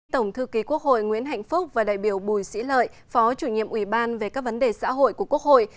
tổng thư ký quốc hội nguyễn hạnh phúc và đại biểu bùi sĩ lợi phó chủ nhiệm ủy ban về các vấn đề xã hội của quốc hội